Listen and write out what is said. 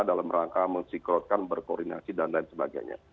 dalam rangka mensikrotkan berkoordinasi dan lain sebagainya